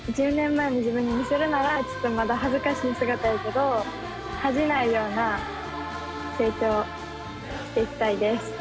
１０年前の自分に見せるならちょっとまだ恥ずかしい姿やけど恥じないような成長をしていきたいです。